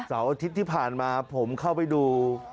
อาทิตย์ที่ผ่านมาผมเข้าไปดู